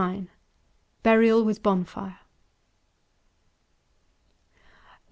IX. Burial with Bonfire.